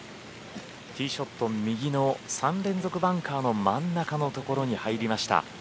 ティーショット右の３連続バンカーの真ん中のところに入りました。